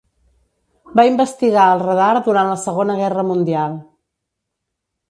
Va investigar el radar durant la Segona Guerra Mundial.